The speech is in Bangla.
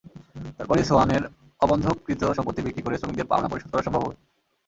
তারপরই সোয়ানের অবন্ধককৃত সম্পত্তি বিক্রি করে শ্রমিকদের পাওনা পরিশোধ করা সম্ভব হবে।